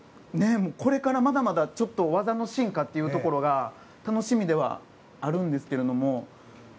これからまだまだ技の進化というところが楽しみではあるんですけれども。